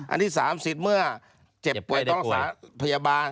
อันที่สามสิทธิ์เมื่อเจ็บป่วยต้องรับสารพยาบาล